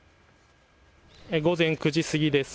午前９時過ぎです。